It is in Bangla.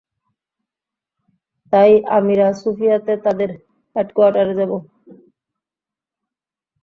তাই আমিরা সুফিয়াতে তাদের হেডকোয়ার্টারে যাবো।